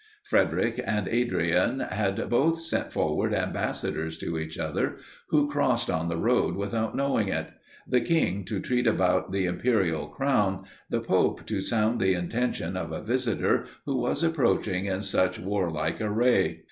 Frederic and Adrian had both sent forward ambassadors to each other, who crossed on the road without knowing it: the king, to treat about the imperial crown; the pope, to sound the intentions of a visitor, who was approaching in such warlike array.